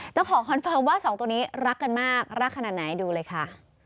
คอนเฟิร์มว่าสองตัวนี้รักกันมากรักขนาดไหนดูเลยค่ะ